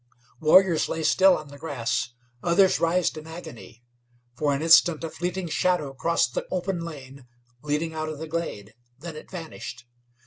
Warriors lay still on the grass; others writhed in agony. For an instant a fleeting shadow crossed the open lane leading out of the glade; then it vanished.